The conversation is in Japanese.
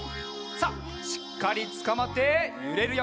さあしっかりつかまってゆれるよ。